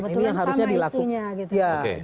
ini yang harusnya dilakukan